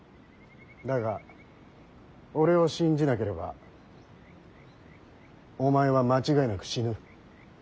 だが俺を信じなければお前は間違いなく死ぬ。